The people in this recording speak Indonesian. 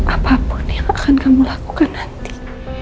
apapun yang akan kamu lakukan nanti